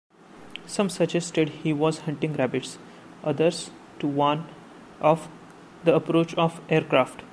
Some suggested he was hunting rabbits, others to warn of the approach of aircraft.